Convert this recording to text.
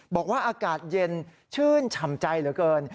บอกว่าอากาศเย็นชื่นฉ่ำใจเหลือเกิน